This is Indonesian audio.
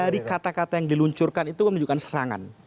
dari kata kata yang diluncurkan itu menunjukkan serangan